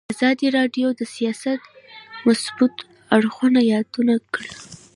ازادي راډیو د سیاست د مثبتو اړخونو یادونه کړې.